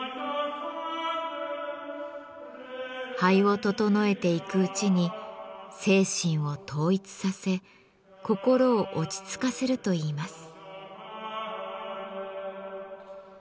灰を整えていくうちに精神を統一させ心を落ち着かせるといいます。